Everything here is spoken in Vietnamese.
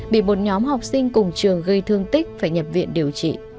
bị một nhóm học sinh cùng trường gây thương tích phải nhập viện điều trị